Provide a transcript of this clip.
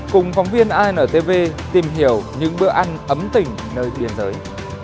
cùng phóng viên antv tìm hiểu những bữa ăn ấm tỉnh nơi biên giới